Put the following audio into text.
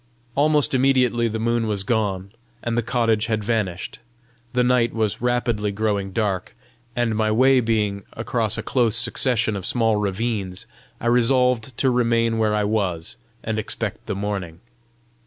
Almost immediately the moon was gone, and the cottage had vanished; the night was rapidly growing dark, and my way being across a close succession of small ravines, I resolved to remain where I was and expect the morning.